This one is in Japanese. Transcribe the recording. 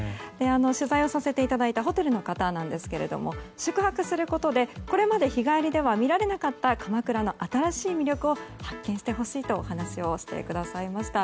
取材をさせていただいたホテルの方なんですけども宿泊することで、これまで日帰りでは見られなかった鎌倉の新しい魅力を発見してほしいと話をしてくださいました。